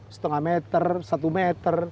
setengah meter satu meter